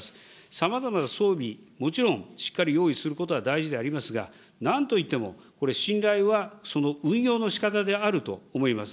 さまざまな装備、もちろん、しっかり用意することは大事でありますが、なんといってもこれ、信頼はその運用のしかたであると思います。